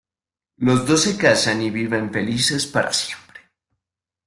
Los dos se casan y viven felices para siempre.